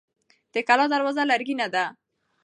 د کلا دروازه لرګینه ده.